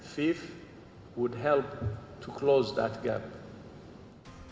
fife akan membantu untuk menguturkan gap itu